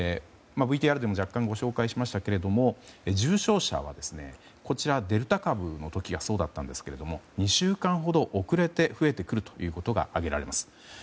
ＶＴＲでも若干、ご紹介しましたけれども重症者はデルタ株の時がそうだったんですが２週間ほど遅れて増えてくるということが挙げられます。